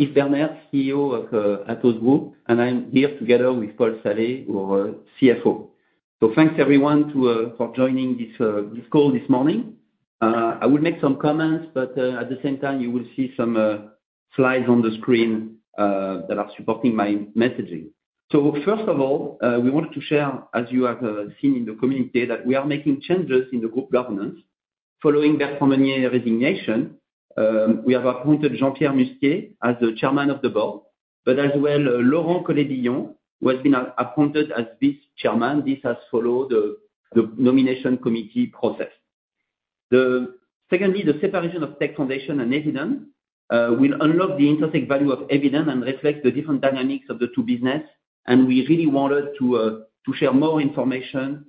Yves Bernaert, CEO of Atos Group, and I'm here together with Paul Saleh, our CFO. So thanks everyone to for joining this call this morning. I will make some comments, but at the same time, you will see some slides on the screen that are supporting my messaging. So first of all, we wanted to share, as you have seen in the community, that we are making changes in the group governance. Following Bertrand Meunier resignation, we have appointed Jean-Pierre Mustier as the chairman of the board, but as well, Laurent Collet-Billon, who has been appointed as Vice-Chairman. This has followed the nomination committee process. Secondly, the separation of Tech Foundations and Eviden will unlock the intrinsic value of Eviden and reflect the different dynamics of the two businesses, and we really wanted to share more information,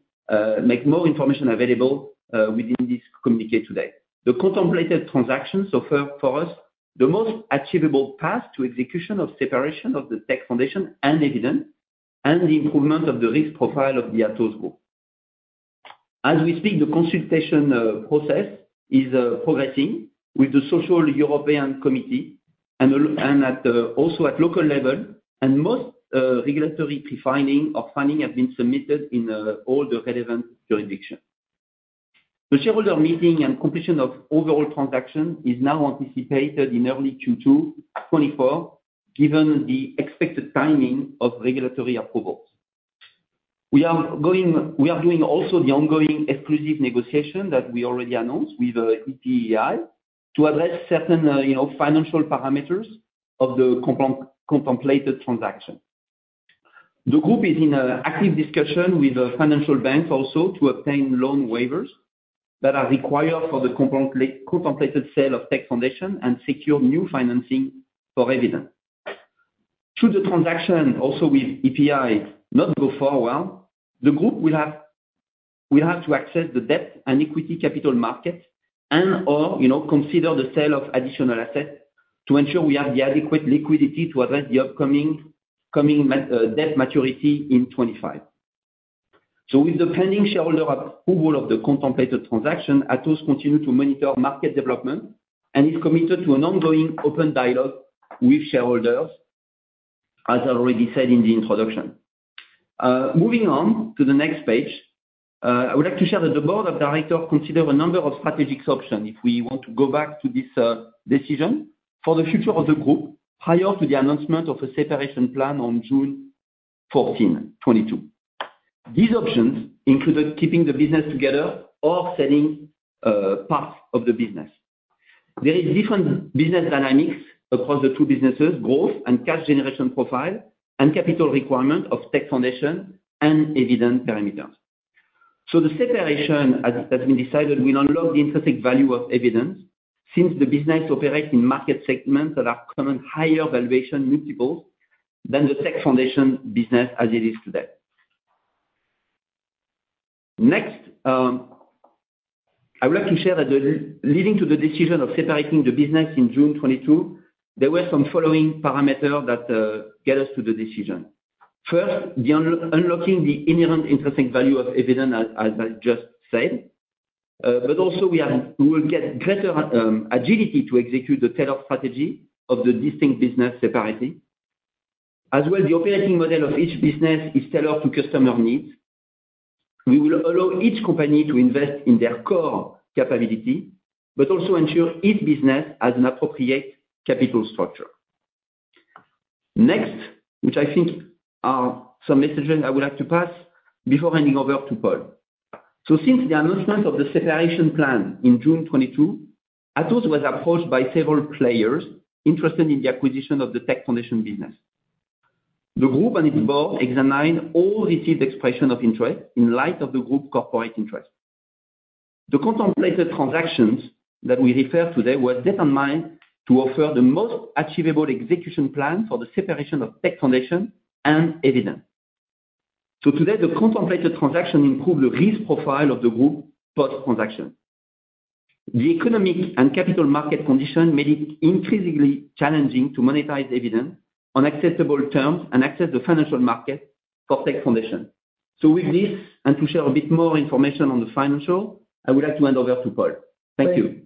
make more information available, within this communiqué today. The contemplated transactions offer for us the most achievable path to execution of separation of the Tech Foundations and Eviden, and the improvement of the risk profile of the Atos Group. As we speak, the consultation process is progressing with the Social European Committee and at also at local level, and most regulatory pre-filing or filing have been submitted in all the relevant jurisdictions. The shareholder meeting and completion of overall transaction is now anticipated in early Q2 2024, given the expected timing of regulatory approvals. We are doing also the ongoing exclusive negotiation that we already announced with EPI, to address certain, you know, financial parameters of the contemplated transaction. The group is in an active discussion with the financing banks also to obtain loan waivers that are required for the contemplated sale of Tech Foundations and secure new financing for Eviden. Should the transaction also with EPI not go forward, the group will have to access the debt and equity capital market and/or, you know, consider the sale of additional assets to ensure we have the adequate liquidity to address the upcoming debt maturity in 2025. So with the pending shareholder approval of the contemplated transaction, Atos continue to monitor market development and is committed to an ongoing open dialogue with shareholders, as I already said in the introduction. Moving on to the next page, I would like to share that the board of directors consider a number of strategic options if we want to go back to this, decision for the future of the group, prior to the announcement of a separation plan on June 14, 2022. These options included keeping the business together or selling, parts of the business. There is different business dynamics across the two businesses, growth and cash generation profile, and capital requirement of Tech Foundations and Eviden parameters. So the separation as, that's been decided, will unlock the intrinsic value of Eviden, since the business operates in market segments that are current higher valuation multiples than the Tech Foundations business as it is today. Next, I would like to share that the leading to the decision of separating the business in June 2022, there were some following parameter that get us to the decision. First, unlocking the inherent intrinsic value of Eviden, as I just said, but also we will get greater agility to execute the tailored strategy of the distinct business separately. As well, the operating model of each business is tailored to customer needs. We will allow each company to invest in their core capability, but also ensure each business has an appropriate capital structure. Next, which I think are some messages I would like to pass before handing over to Paul. So since the announcement of the separation plan in June 2022, Atos was approached by several players interested in the acquisition of the Tech Foundations business. The group and its board examined all received expressions of interest in light of the group's corporate interest. The contemplated transactions that we refer to today were set in mind to offer the most achievable execution plan for the separation of Tech Foundations and Eviden. Today, the contemplated transaction improved the risk profile of the group post-transaction. The economic and capital market conditions made it intrinsically challenging to monetize Eviden on acceptable terms and access the financial market for Tech Foundations. With this, and to share a bit more information on the financials, I would like to hand over to Paul. Thank you.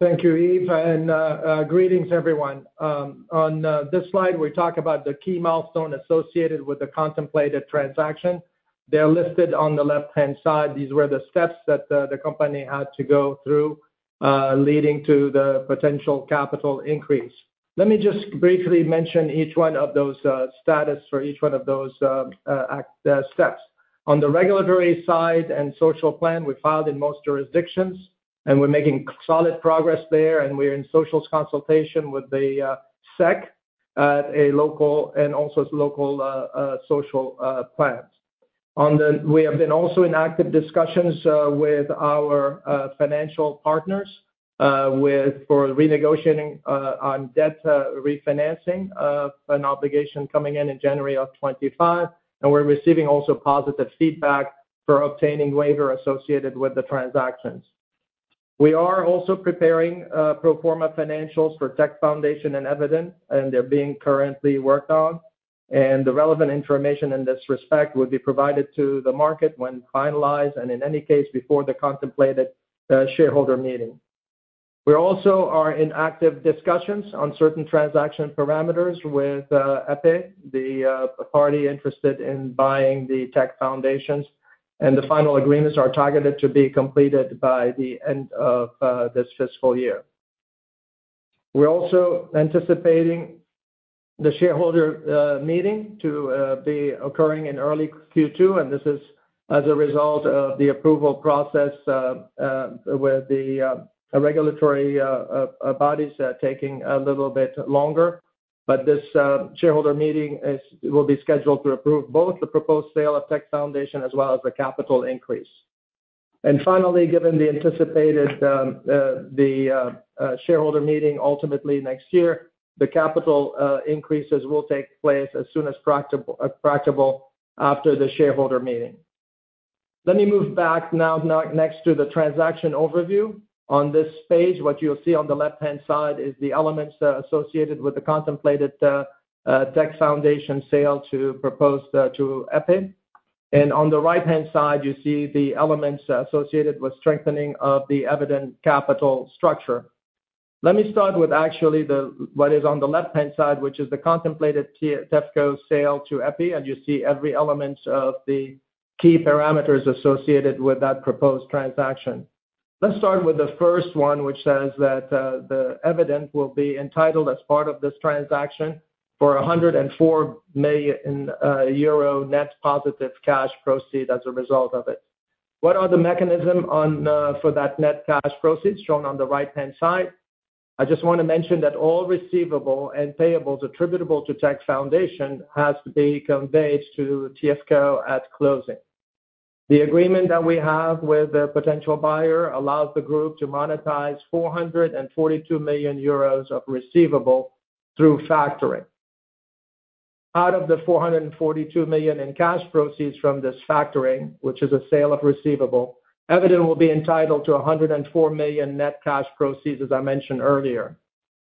Thank you, Yves, and greetings, everyone. On this slide, we talk about the key milestone associated with the contemplated transaction. They're listed on the left-hand side. These were the steps that the company had to go through, leading to the potential capital increase. Let me just briefly mention each one of those, status for each one of those, steps. On the regulatory side and social plan, we filed in most jurisdictions, and we're making solid progress there, and we're in social consultation with the SEC at a local and also local social plans. We have been also in active discussions with our financial partners for renegotiating on debt refinancing an obligation coming in January of 2025, and we're receiving also positive feedback for obtaining waiver associated with the transactions. We are also preparing pro forma financials for Tech Foundations and Eviden, and they're being currently worked on and the relevant information in this respect will be provided to the market when finalized, and in any case, before the contemplated shareholder meeting. We also are in active discussions on certain transaction parameters with EPI, the party interested in buying the Tech Foundations, and the final agreements are targeted to be completed by the end of this fiscal year. We're also anticipating the shareholder meeting to be occurring in early Q2, and this is as a result of the approval process with the regulatory bodies taking a little bit longer. But this shareholder meeting will be scheduled to approve both the proposed sale of Tech Foundations as well as the capital increase. And finally, given the anticipated shareholder meeting, ultimately next year, the capital increases will take place as soon as practicable after the shareholder meeting. Let me move back now next to the transaction overview. On this page, what you'll see on the left-hand side is the elements associated with the contemplated Tech Foundations sale to EPI. And on the right-hand side, you see the elements associated with strengthening of the Eviden capital structure. Let me start with actually the what is on the left-hand side, which is the contemplated TFCO sale to EPI, and you see every element of the key parameters associated with that proposed transaction. Let's start with the first one, which says that the Eviden will be entitled as part of this transaction for 104 million euro net positive cash proceeds as a result of it. What are the mechanism on for that net cash proceeds, shown on the right-hand side? I just want to mention that all receivable and payables attributable to Tech Foundation has to be conveyed to TFCo at closing. The agreement that we have with the potential buyer allows the group to monetize 442 million euros of receivable through factoring. Out of the 442 million in cash proceeds from this factoring, which is a sale of receivable, Eviden will be entitled to 104 million net cash proceeds, as I mentioned earlier.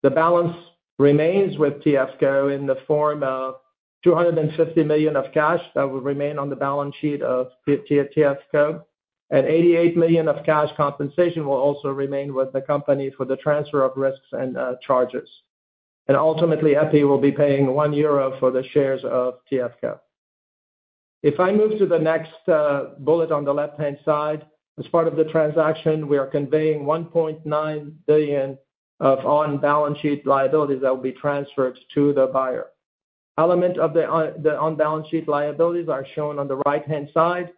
The balance remains with TFCo in the form of 250 million of cash that will remain on the balance sheet of TFCo, and 88 million of cash compensation will also remain with the company for the transfer of risks and charges, and ultimately, EPI will be paying 1 euro for the shares of TFCo. If I move to the next bullet on the left-hand side, as part of the transaction, we are conveying 1.9 billion of on-balance sheet liabilities that will be transferred to the buyer. Element of the on-balance sheet liabilities are shown on the right-hand side.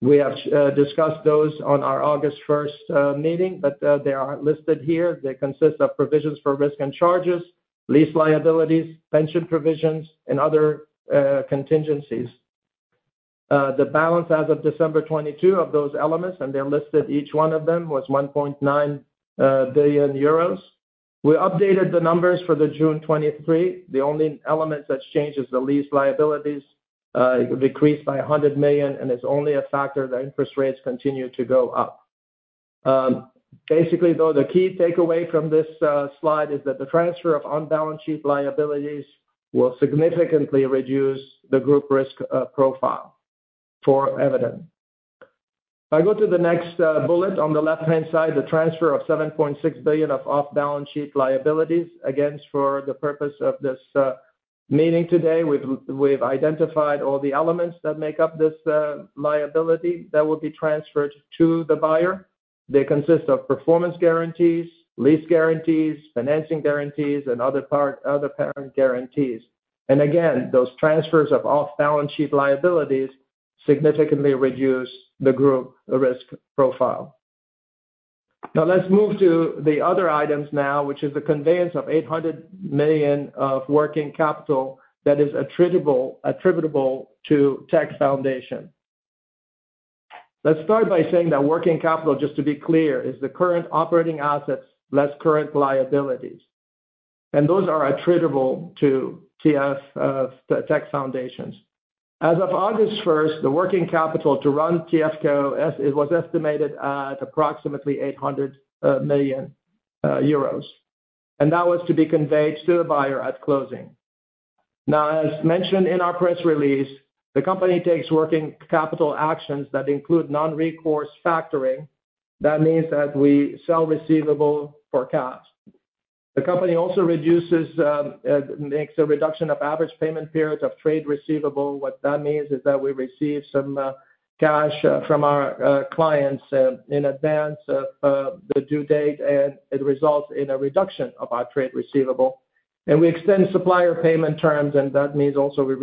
We have discussed those on our August 1 meeting, but they are listed here. They consist of provisions for risk and charges, lease liabilities, pension provisions, and other contingencies. The balance as of December 2022 of those elements, and they're listed, each one of them, was 1.9 billion euros. We updated the numbers for the June 2023. The only element that's changed is the lease liabilities, it decreased by 100 million, and it's only a factor that interest rates continue to go up. Basically, though, the key takeaway from this slide is that the transfer of on-balance sheet liabilities will significantly reduce the group risk profile for Eviden. If I go to the next bullet on the left-hand side, the transfer of 7.6 billion EUR of off-balance sheet liabilities. Again, for the purpose of this meeting today, we've identified all the elements that make up this liability that will be transferred to the buyer. They consist of performance guarantees, lease guarantees, financing guarantees, and other parent guarantees. And again, those transfers of off-balance sheet liabilities significantly reduce the group risk profile. Now, let's move to the other items, which is the conveyance of 800 million of working capital that is attributable to Tech Foundations. Let's start by saying that working capital, just to be clear, is the current operating assets, less current liabilities, and those are attributable to TF, Tech Foundations. As of August 1, the working capital to run TFCo as it was estimated at approximately 800 million euros, and that was to be conveyed to the buyer at closing. Now, as mentioned in our press release, the company takes working capital actions that include non-recourse factoring. That means that we sell receivable for cash. The company also makes a reduction of average payment periods of trade receivable. What that means is that we receive some cash from our clients in advance of the due date, and it results in a reduction of our trade receivable. And we extend supplier payment terms, and that means also we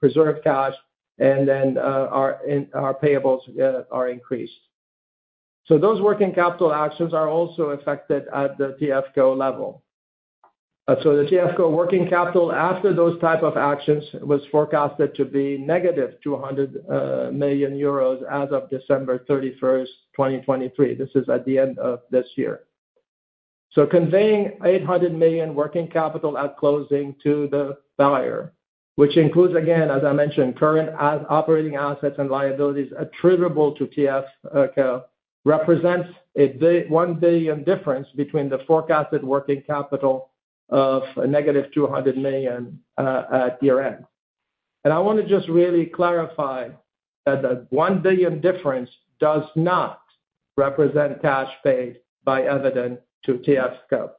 preserve cash, and then our payables are increased. So those working capital actions are also effected at the TFCo level. So the TFCo working capital, after those type of actions, was forecasted to be negative 200 million euros as of December 31st, 2023. This is at the end of this year. Conveying 800 million working capital at closing to the buyer, which includes, again, as I mentioned, current operating assets and liabilities attributable to TFCo, represents a big €1 billion difference between the forecasted working capital of a negative 200 million at year-end. I want to just really clarify that the 1 billion difference does not represent cash paid by Eviden to TFCo.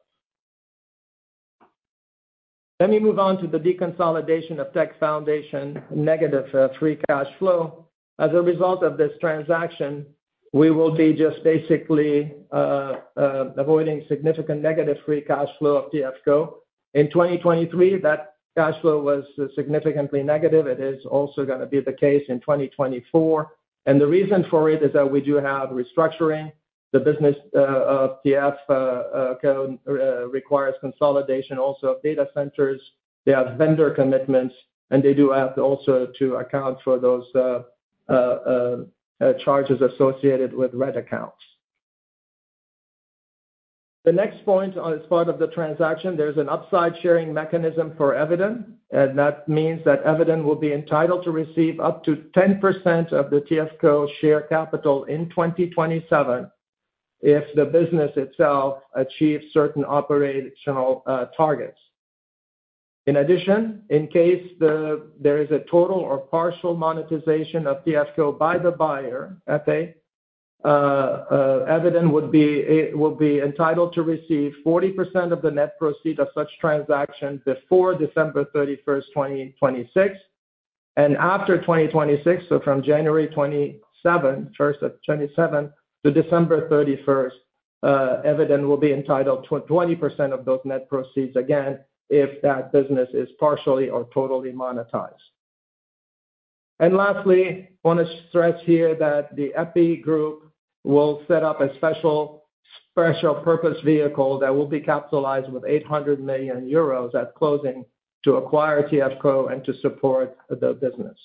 Let me move on to the deconsolidation of Tech Foundations negative free cash flow. As a result of this transaction, we will be just basically avoiding significant negative free cash flow of TFCo. In 2023, that cash flow was significantly negative. It is also going to be the case in 2024. The reason for it is that we do have restructuring. The business of TFCo requires consolidation also of data centers. They have vendor commitments, and they do have also to account for those charges associated with headcounts. The next point on as part of the transaction, there's an upside sharing mechanism for Eviden, and that means that Eviden will be entitled to receive up to 10% of the TFCo share capital in 2027 if the business itself achieves certain operational targets. In addition, in case there is a total or partial monetization of TFCo by the buyer, EPI, Eviden would be, will be entitled to receive 40% of the net proceeds of such transaction before December 31st, 2026. After 2026, so from January 1st of 2027 to December 31st, Eviden will be entitled to 20% of those net proceeds, again, if that business is partially or totally monetized. Lastly, I want to stress here that the EPI group will set up a special purpose vehicle that will be capitalized with 800 million euros at closing to acquire TFCo. and to support the business.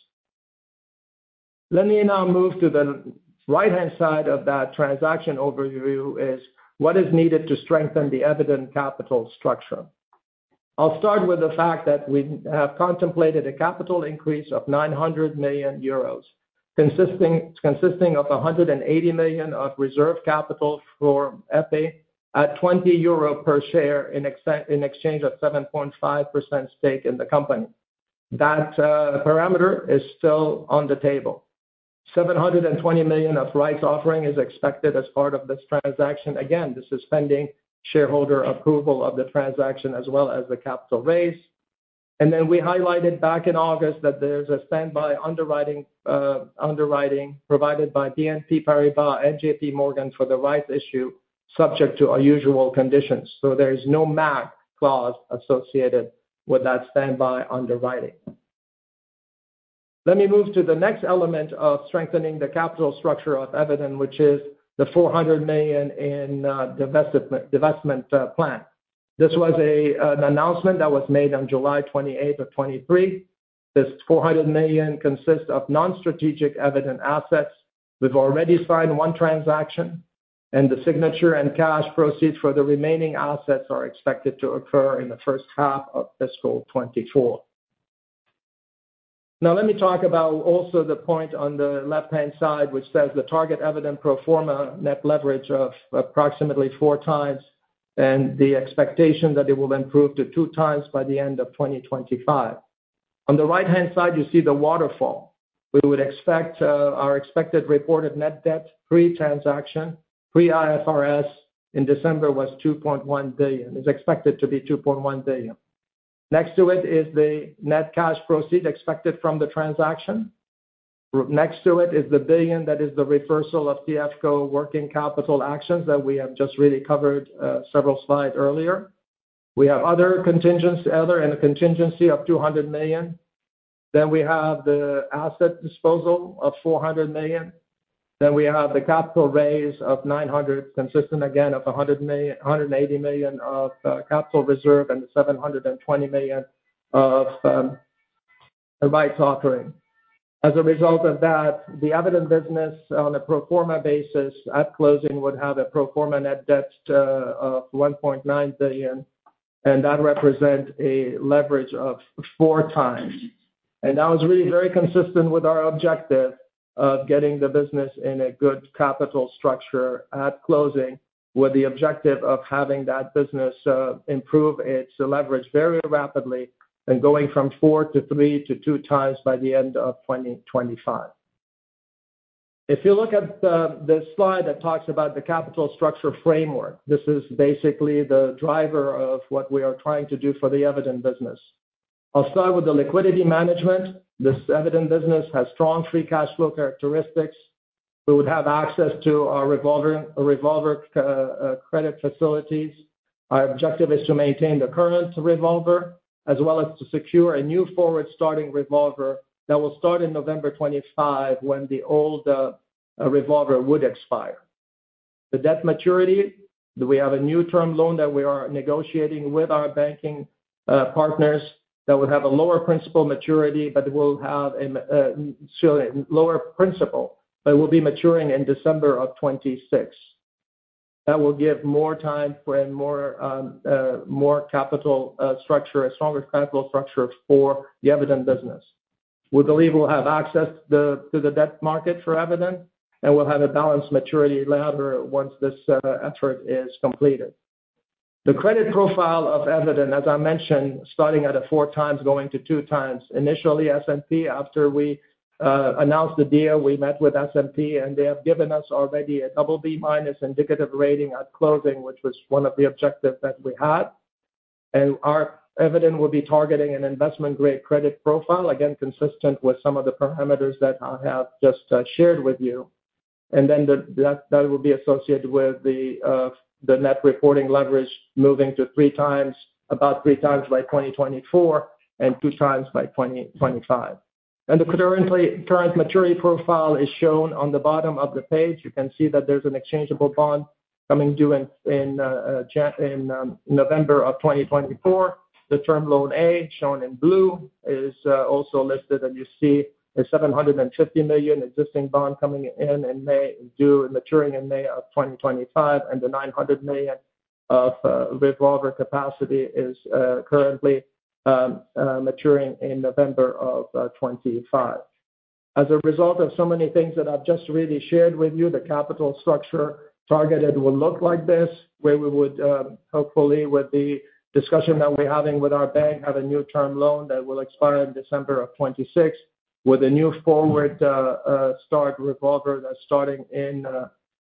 Let me now move to the right-hand side of that transaction overview, is what is needed to strengthen the Eviden capital structure. I'll start with the fact that we have contemplated a capital increase of 900 million euros, consisting of 180 million of reserve capital for EPI at 20 euro per share in exchange of 7.5% stake in the company. That parameter is still on the table. 720 million rights offering is expected as part of this transaction. Again, this is pending shareholder approval of the transaction as well as the capital raise. Then we highlighted back in August that there's a standby underwriting provided by BNP Paribas and JPMorgan for the rights issue, subject to our usual conditions. There is no MAC clause associated with that standby underwriting. Let me move to the next element of strengthening the capital structure of Eviden, which is the 400 million divestment plan. This was an announcement that was made on July 28th, 2023. This 400 million consists of non-strategic Eviden assets. We've already signed one transaction, and the signature and cash proceeds for the remaining assets are expected to occur in the first half of fiscal 2024. Now, let me talk about also the point on the left-hand side, which says the target Eviden pro forma net leverage of approximately four times, and the expectation that it will improve to two times by the end of 2025. On the right-hand side, you see the waterfall. We would expect our expected reported net debt pre-transaction, pre-IFRS in December was 2.1 billion. It's expected to be 2.1 billion. Next to it is the net cash proceeds expected from the transaction. Next to it is the 1 billion that is the reversal of TF Co. working capital actions that we have just really covered several slides earlier. We have other contingency, other and a contingency of 200 million. Then we have the asset disposal of 400 million. Then we have the capital raise of 900 million, consisting again of 180 million of capital reserve and 720 million of the rights offering. As a result of that, the Eviden business on a pro forma basis at closing would have a pro forma net debt of 1.9 billion, and that represent a leverage of four times, and that was really very consistent with our objective of getting the business in a good capital structure at closing, with the objective of having that business improve its leverage very rapidly and going from four to three to two times by the end of 2025. If you look at the slide that talks about the capital structure framework, this is basically the driver of what we are trying to do for the Eviden business. I'll start with the liquidity management. This Eviden business has strong free cash flow characteristics. We would have access to our revolver credit facilities. Our objective is to maintain the current revolver, as well as to secure a new forward-starting revolver that will start in November 2025, when the old revolver would expire. The debt maturity. Do we have a new term loan that we are negotiating with our banking partners that would have a lower principal maturity, but will have a lower principal, but will be maturing in December of 2026? that will give more time for a more capital structure, a stronger capital structure for the Eviden business. We believe we'll have access to the debt market for Eviden, and we'll have a balanced maturity ladder once this effort is completed. The credit profile of Eviden, as I mentioned, starting at a four times, going to two times, initially S&P, after we announced the deal, we met with S&P, and they have given us already a double B minus indicative rating at closing, which was one of the objectives that we had. Our Eviden will be targeting an investment-grade credit profile, again, consistent with some of the parameters that I have just shared with you. Then that will be associated with the net reporting leverage moving to three times, about three times by 2024, and two times by 2025. The current maturity profile is shown on the bottom of the page. You can see that there's an exchangeable bond coming due in November 2024. The term loan A, shown in blue, is also listed, and you see a 750 million existing bond coming in May, and due and maturing in May 2025, and the 900 million of revolver capacity is currently maturing in November 2025. As a result of so many things that I've just really shared with you, the capital structure targeted will look like this, where we would, hopefully, with the discussion that we're having with our bank, have a new term loan that will expire in December of 2026, with a new forward-starting revolver that's starting in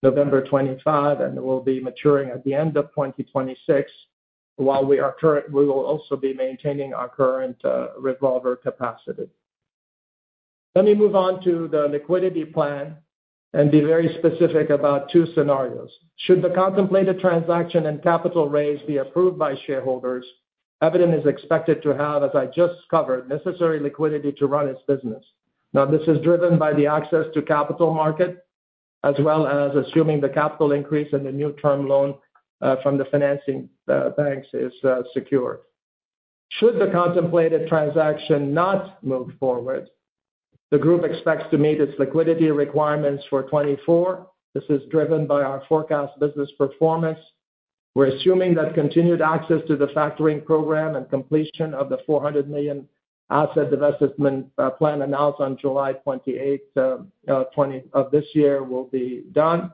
November 2025, and it will be maturing at the end of 2026, while we will also be maintaining our current revolver capacity. Let me move on to the liquidity plan and be very specific about two scenarios. Should the contemplated transaction and capital raise be approved by shareholders, Eviden is expected to have, as I just covered, necessary liquidity to run its business. Now, this is driven by the access to capital market, as well as assuming the capital increase and the new term loan from the financing banks is secure. Should the contemplated transaction not move forward, the group expects to meet its liquidity requirements for 2024. This is driven by our forecast business performance. We're assuming that continued access to the factoring program and completion of the 400 million asset divestment plan announced on July 28, 2023, will be done,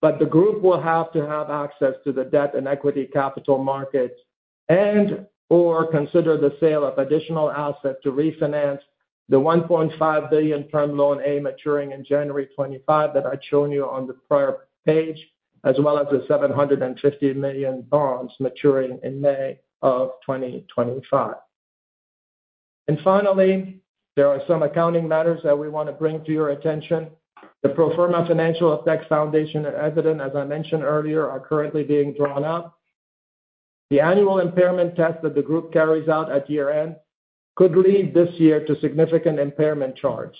but the group will have to have access to the debt and equity capital markets, and/or consider the sale of additional assets to refinance the 1.5 billion term loan A maturing in January 2025, that I'd shown you on the prior page, as well as the 750 million bonds maturing in May 2025. Finally, there are some accounting matters that we wanna bring to your attention. The pro forma financials of Tech Foundations and Eviden, as I mentioned earlier, are currently being drawn up. The annual impairment test that the group carries out at year-end could lead this year to significant impairment charge.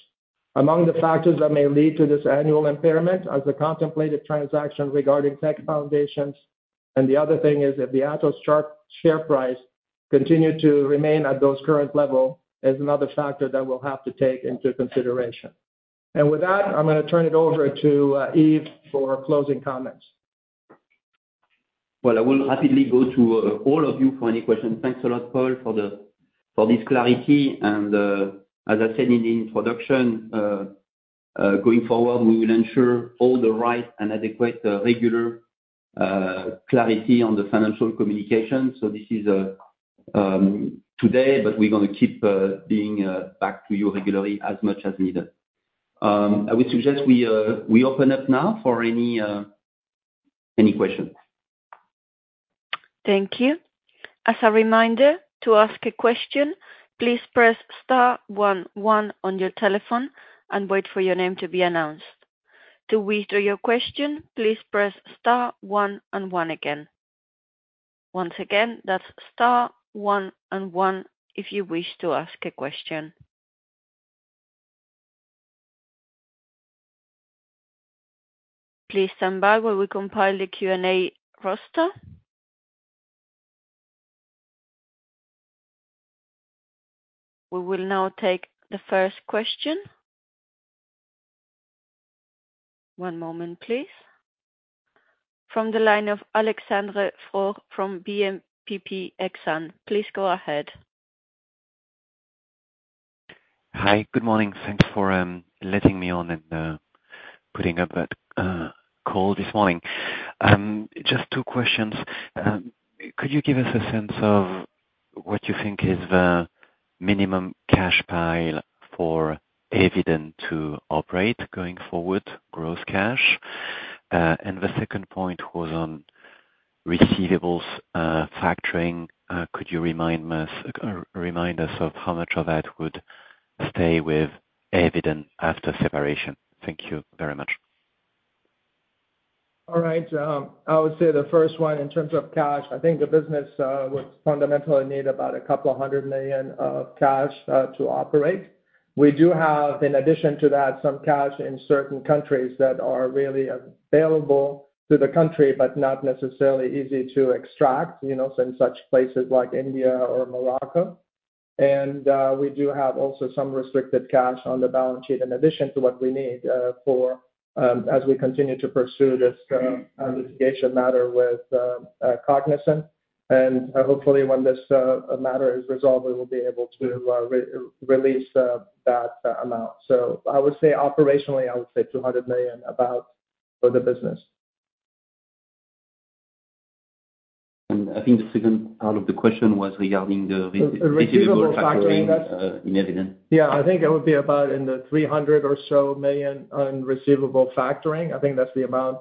Among the factors that may lead to this annual impairment are the contemplated transaction regarding Tech Foundations, and the other thing is if the Atos share price continue to remain at those current level, is another factor that we'll have to take into consideration. With that, I'm gonna turn it over to Yves for closing comments. I will happily go to all of you for any questions. Thanks a lot, Paul, for this clarity. As I said in the introduction, going forward, we will ensure all the right and adequate regular clarity on the financial communication. This is today, but we're gonna keep being back to you regularly as much as needed. I would suggest we open up now for any questions. Thank you. As a reminder, to ask a question, please press star one one on your telephone and wait for your name to be announced. To withdraw your question, please press star one and one again. Once again, that's star one and one if you wish to ask a question. Please stand by while we compile the Q&A roster. We will now take the first question. One moment, please. From the line of Alexandre Faure from BNP Paribas Exane, please go ahead. Hi, good morning. Thanks for letting me on and putting up that call this morning. Just two questions. Could you give us a sense of what you think is the minimum cash pile for Eviden to operate going forward, growth cash? And the second point was on receivables, factoring. Could you remind us of how much of that would stay with Eviden after separation? Thank you very much. All right. I would say the first one, in terms of cash, I think the business would fundamentally need about a couple of hundred million of cash to operate. We do have, in addition to that, some cash in certain countries that are really available to the country, but not necessarily easy to extract, you know, in such places like India or Morocco. And we do have also some restricted cash on the balance sheet in addition to what we need for as we continue to pursue this litigation matter with Cognizant. And hopefully when this matter is resolved, we will be able to release that amount. So I would say operationally, I would say about 200 million for the business. And I think the second part of the question was regarding the- The receivables factoring in Eviden. Yeah, I think it would be about 300 million or so on receivable factoring. I think that's the amount,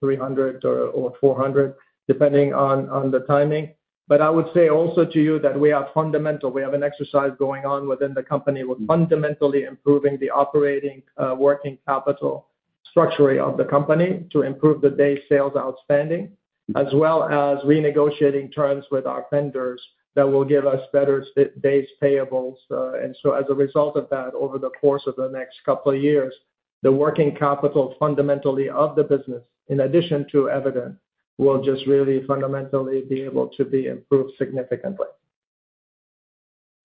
300 or 400, depending on the timing. But I would say also to you that we are fundamental. We have an exercise going on within the company. We're fundamentally improving the operating working capital structure of the company to improve the day sales outstanding, as well as renegotiating terms with our vendors that will give us better days payables. And so as a result of that, over the course of the next couple of years, the working capital fundamentally of the business, in addition to Eviden, will just really fundamentally be able to be improved significantly.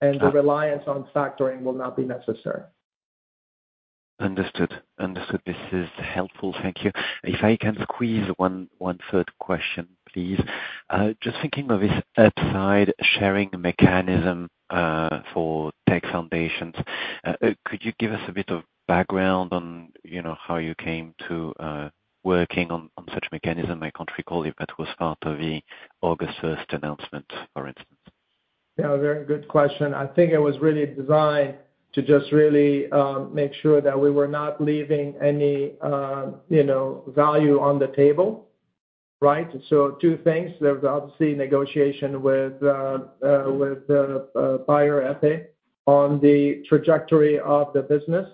The reliance on factoring will not be necessary. Understood. This is helpful. Thank you. If I can squeeze one third question, please. Just thinking of this upside sharing mechanism for Tech Foundations, could you give us a bit of background on, you know, how you came to working on such mechanism? I can't recall if that was part of the August first announcement, for instance. Yeah, very good question. I think it was really designed to just really make sure that we were not leaving any, you know, value on the table, right? So two things. There was obviously negotiation with the buyer, EPEI, on the trajectory of the business,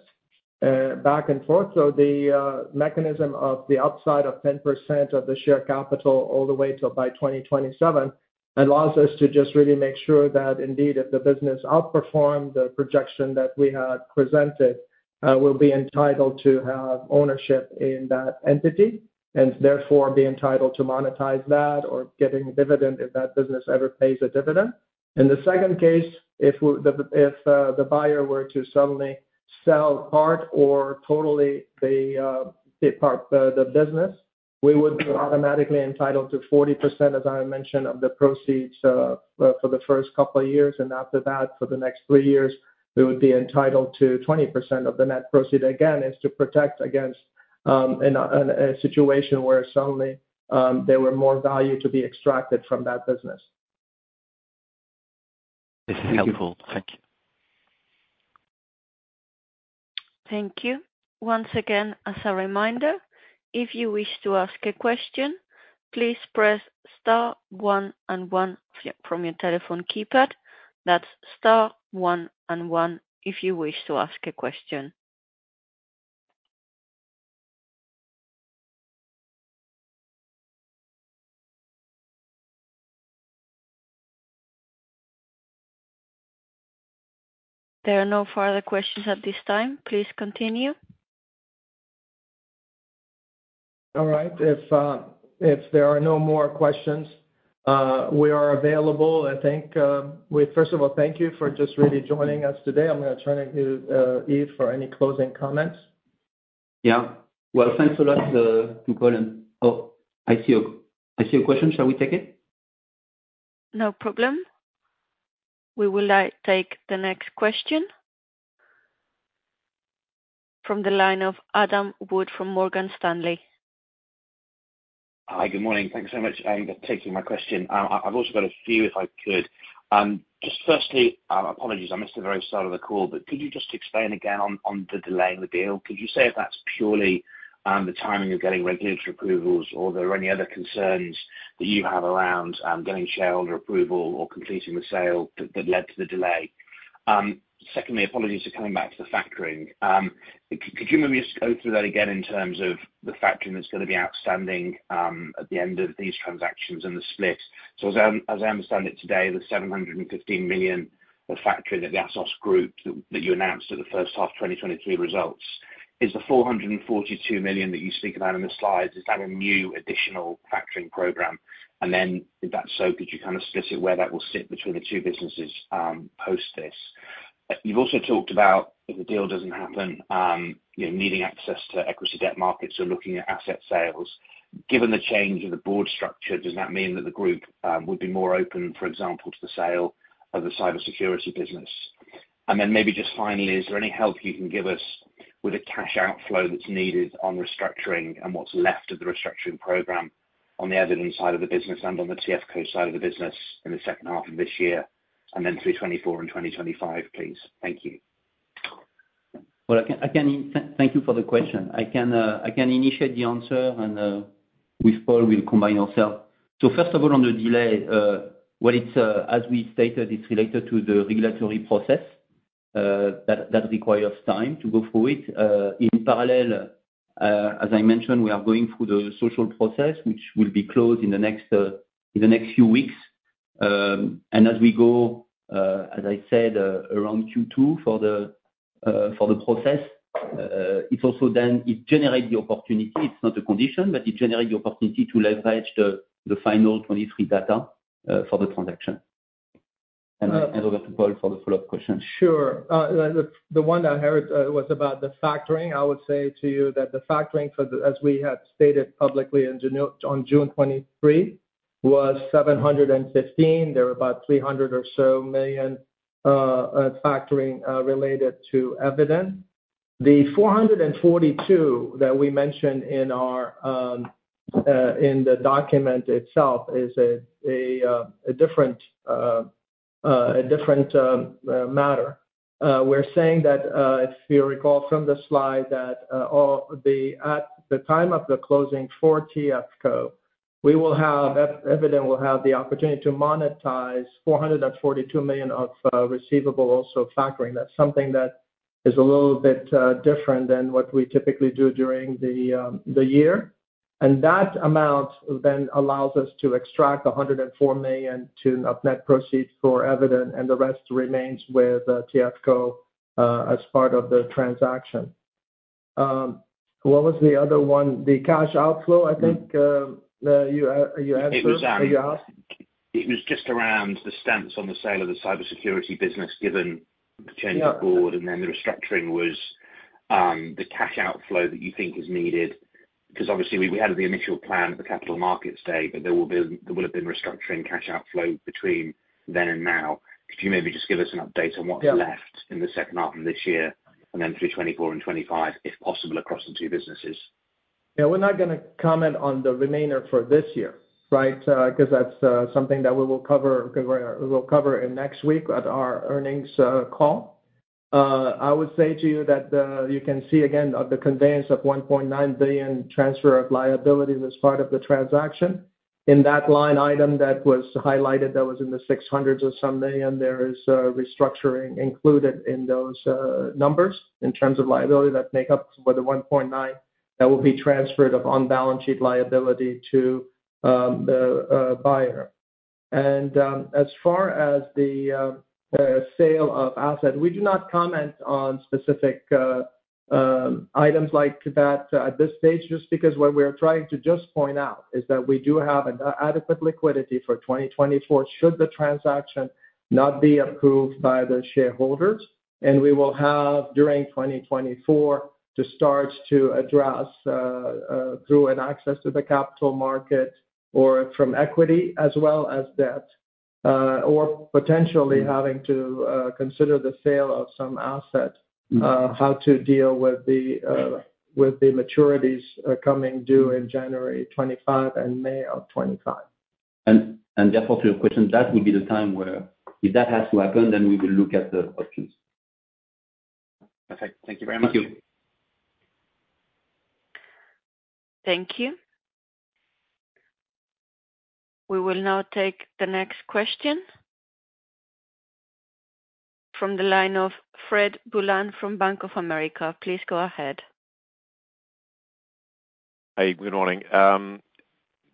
back and forth. So the mechanism of the upside of 10% of the share capital all the way till by 2027, allows us to just really make sure that indeed, if the business outperformed, the projection that we had presented, will be entitled to have ownership in that entity, and therefore be entitled to monetize that or getting dividend if that business ever pays a dividend. In the second case, if the buyer were to suddenly sell part or all of the business, we would be automatically entitled to 40%, as I mentioned, of the proceeds for the first couple of years, and after that, for the next three years, we would be entitled to 20% of the net proceeds. Again, it's to protect against a situation where suddenly there were more value to be extracted from that business. This is helpful. Thank you. Thank you. Once again, as a reminder, if you wish to ask a question, please press star one and one from your telephone keypad. That's star one and one if you wish to ask a question. There are no further questions at this time. Please continue. All right. If there are no more questions, we are available. I think, first of all, thank you for just really joining us today. I'm gonna turn it to Yves for any closing comments. Yeah. Well, thanks a lot to Colin. Oh, I see a question. Shall we take it? No problem. We will take the next question. From the line of Adam Wood from Morgan Stanley. Hi, good morning. Thanks so much for taking my question. I've also got a few, if I could. Just firstly, apologies, I missed the very start of the call, but could you just explain again on the delay in the deal? Could you say if that's purely the timing of getting regulatory approvals or are there any other concerns that you have around getting shareholder approval or completing the sale that led to the delay? Secondly, apologies for coming back to the factoring. Could you maybe just go through that again in terms of the factoring that's gonna be outstanding at the end of these transactions and the split? As I understand it today, the 715 million of factoring, the Atos Group that you announced at the first half 2022 results, is the 442 million that you speak about in the slides. Is that a new additional factoring program? And then if that's so, could you kind of specify where that will sit between the two businesses post this? You've also talked about if the deal doesn't happen, you know, needing access to equity debt markets or looking at asset sales. Given the change in the board structure, does that mean that the group would be more open, for example, to the sale of the cybersecurity business? And then maybe just finally, is there any help you can give us with the cash outflow that's needed on restructuring and what's left of the restructuring program on the Eviden side of the business and on the TFCo side of the business in the second half of this year, and then through 2024 and 2025, please? Thank you. I can thank you for the question. I can initiate the answer, and with Paul, we'll combine ourselves. First of all, on the delay, as we stated, it's related to the regulatory process that requires time to go through it. In parallel, as I mentioned, we are going through the social process, which will be closed in the next few weeks. As we go, as I said, around Q2 for the process. It's also then it generate the opportunity. It's not a condition, but it generate the opportunity to leverage the final 23 data for the transaction. Over to Paul for the follow-up question. Sure. The one that I heard was about the factoring. I would say to you that the factoring for the—as we had stated publicly in June, on June 23, was 715 million. There were about 300 million or so factoring related to Eviden. The 442 that we mentioned in our in the document itself is a different matter. We're saying that if you recall from the slide, that all the—at the time of the closing for TFCo, we will have, Eviden will have the opportunity to monetize 442 million of receivable, also factoring. That's something that is a little bit different than what we typically do during the year. And that amount then allows us to extract 104 million of net proceeds for Eviden, and the rest remains with TFCo as part of the transaction. What was the other one? The cash outflow, I think, you answered, or you asked? It was just around the stance on the sale of the cybersecurity business, given the change of board- Yeah. - and then the restructuring was, the cash outflow that you think is needed, because obviously we had the initial plan at the capital markets day, but there will be, there will have been restructuring cash outflow between then and now. Could you maybe just give us an update on what's left? Yeah... in the second half of this year and then through 2024 and 2025, if possible, across the two businesses? Yeah, we're not gonna comment on the remainder for this year, right? Because that's something that we will cover next week at our earnings call. I would say to you that you can see again of the conveyance of 1.9 billion transfer of liabilities as part of the transaction. In that line item that was highlighted, that was in the six hundreds of some million, there is restructuring included in those numbers in terms of liability that make up for the one point nine that will be transferred of on-balance sheet liability to the buyer. As far as the sale of asset, we do not comment on specific items like that at this stage, just because what we are trying to just point out is that we do have an adequate liquidity for 2024, should the transaction not be approved by the shareholders. We will have, during 2024, to start to address through an access to the capital market or from equity as well as debt, or potentially having to consider the sale of some assets. Mm. How to deal with the maturities coming due in January 2025 and May 2025? Therefore, to your question, that will be the time where if that has to happen, then we will look at the options. Perfect. Thank you very much. Thank you. Thank you. We will now take the next question from the line of Fred Boulan from Bank of America. Please go ahead. Hi, good morning.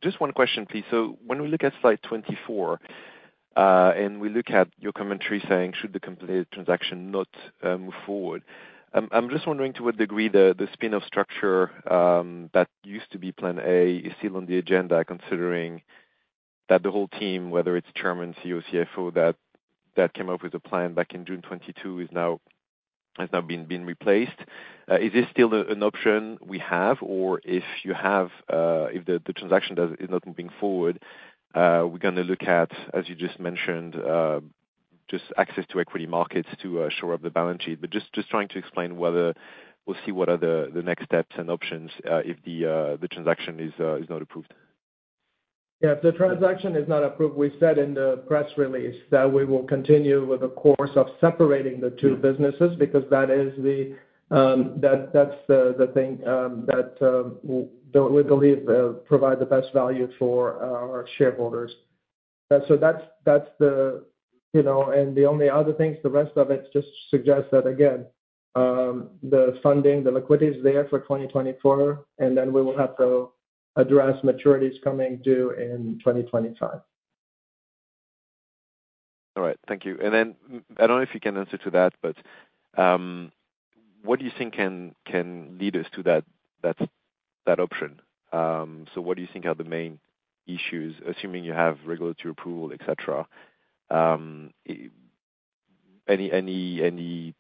Just one question, please. So when we look at slide twenty-four and we look at your commentary saying, should the completed transaction not move forward, I'm just wondering to what degree the spin-off structure that used to be plan A is still on the agenda, considering that the whole team, whether it's Chairman, CEO, CFO, that came up with a plan back in June 2022, has now been replaced. Is this still an option we have? Or if the transaction is not moving forward, we're gonna look at, as you just mentioned, just access to equity markets to shore up the balance sheet. But just trying to explain whether we'll see what are the next steps and options, if the transaction is not approved. Yeah, if the transaction is not approved, we said in the press release that we will continue with the course of separating the two businesses. Mm. Because that is the, that, that's the, the thing, that, we believe provide the best value for our shareholders. So that's the... You know, and the only other things, the rest of it, just suggests that again, the funding, the liquidity is there for 2024, and then we will have to address maturities coming due in 2025. All right, thank you. And then, I don't know if you can answer to that, but what do you think can lead us to that option? So what do you think are the main issues, assuming you have regulatory approval, et cetera, any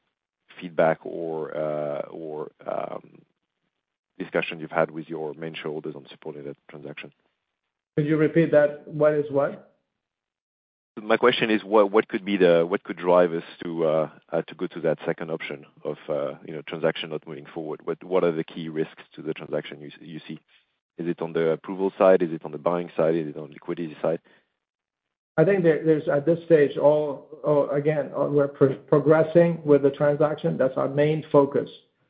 feedback or discussion you've had with your main shareholders on supporting that transaction? Could you repeat that? What is what? My question is, what could drive us to go to that second option of, you know, transaction not moving forward? What are the key risks to the transaction you see? Is it on the approval side? Is it on the buying side? Is it on liquidity side? I think there's at this stage again we're progressing with the transaction. That's our main focus.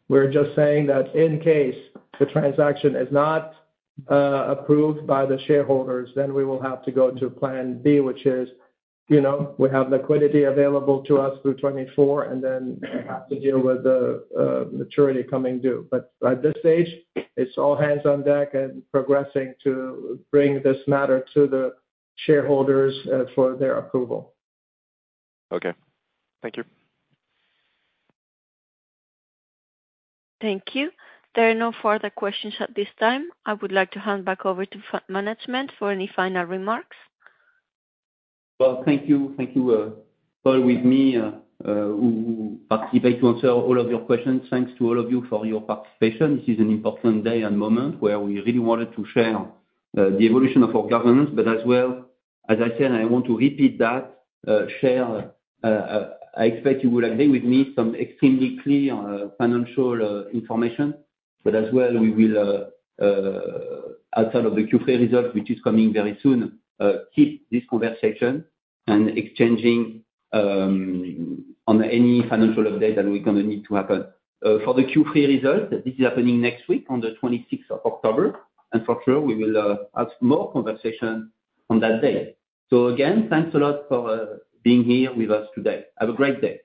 We're just saying that in case the transaction is not approved by the shareholders, then we will have to go to plan B, which is, you know, we have liquidity available to us through 2024, and then we have to deal with the maturity coming due. But at this stage, it's all hands on deck and progressing to bring this matter to the shareholders for their approval. Okay. Thank you. Thank you. There are no further questions at this time. I would like to hand back over to the management for any final remarks. Thank you, thank you, Paul, with me, who participated to answer all of your questions. Thanks to all of you for your participation. This is an important day and moment where we really wanted to share the evolution of our governance, but as well, as I said, I want to repeat that I expect you will agree with me, some extremely clear financial information. But as well, we will, outside of the Q3 result, which is coming very soon, keep this conversation and exchanging on any financial update that we're gonna need to happen. For the Q3 result, this is happening next week on the 26th of October, and for sure, we will have more conversation on that day. Again, thanks a lot for being here with us today. Have a great day.